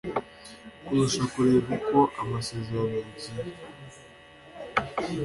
kurusha kureba uko amasezerano yagiye